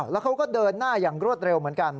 แล้วเขาก็เดินหน้าอย่างรวดเร็วเหมือนกัน